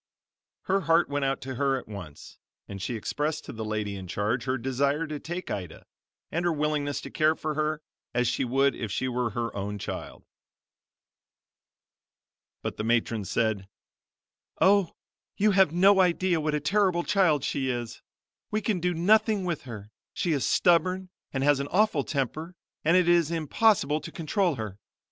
Her heart went out to her at once and she expressed to the lady in charge her desire to take Ida, and her willingness to care for her as she would if she were her own child. But the matron said "Oh, you have no idea what a terrible child she is! We can do nothing with her, she is stubborn and has an awful temper and it is impossible to control her.